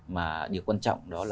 mà điều quan trọng đó là